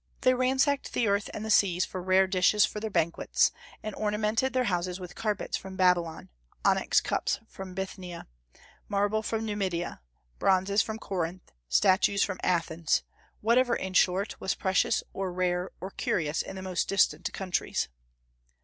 They ransacked the earth and the seas for rare dishes for their banquets, and ornamented their houses with carpets from Babylon, onyx cups from Bithynia, marbles from Numidia, bronzes from Corinth, statues from Athens, whatever, in short, was precious or rare or curious in the most distant countries.